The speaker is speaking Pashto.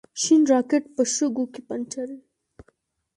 شین راکېټ په شګو کې پنجر دی.